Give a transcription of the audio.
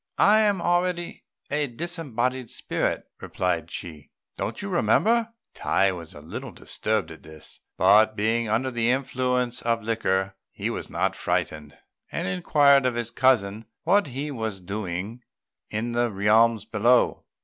"I am already a disembodied spirit," replied Chi; "don't you remember?" Tai was a little disturbed at this; but, being under the influence of liquor, he was not frightened, and inquired of his cousin what he was doing in the realms below.